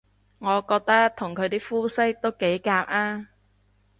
我覺得同佢啲膚色都幾夾吖